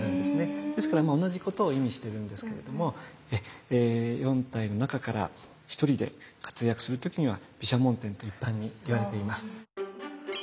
ですからまあ同じことを意味してるんですけれども４体の中から１人で活躍する時には毘沙門天と一般に言われています。